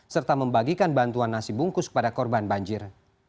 serta membagikan bantuan nasi bungkus kepada korban banjir